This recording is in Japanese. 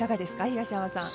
東山さん。